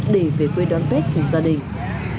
để về quê đón tết cùng gia đình